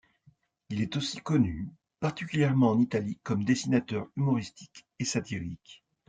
Il est aussi connu, particulièrement en Italie, comme dessinateur humoristique et satirique.